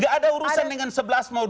gak ada urusan dengan sebelas mau dua puluh